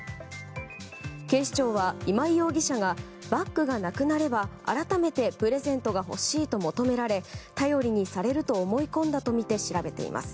警視庁は、今井容疑者がバッグがなくなれば改めてプレゼントが欲しいと求められ頼りにされると思い込んだとみて調べています。